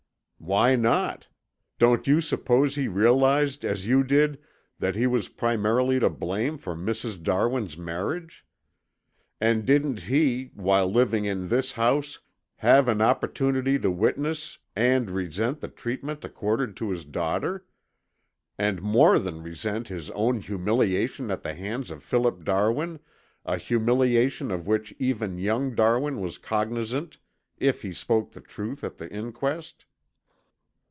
"Why not? Don't you suppose he realized as you did that he was primarily to blame for Mrs. Darwin's marriage? And didn't he, while living in this house, have an opportunity to witness and resent the treatment accorded to his daughter? And more than resent his own humiliation at the hands of Philip Darwin, a humiliation of which even young Darwin was cognizant, if he spoke the truth at the inquest?"